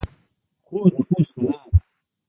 خور د کور ښکلا ده.